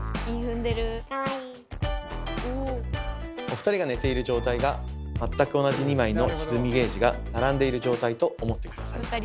お二人が寝ている状態が全く同じ２枚のひずみゲージが並んでいる状態と思って下さい。